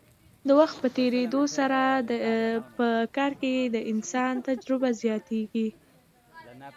د وخت په تیریدو سره په کار کې د انسان تجربه زیاتیږي.